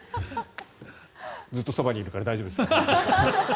ずっとそばにいるから大丈夫ですよ。